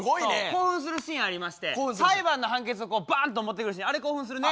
興奮するシーンありまして裁判の判決をバーンと持ってくるシーンあれ興奮するね。